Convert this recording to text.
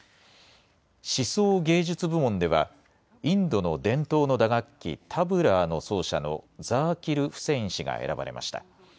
思想・芸術部門では、インドの伝統の打楽器、タブラーの奏者のザーキル・フセイン氏が選ばれました。